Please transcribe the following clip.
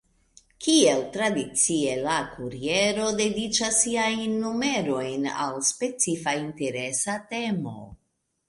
Kiel tradicie la Kuriero dediĉas siajn numerojn al specifa interesa temo.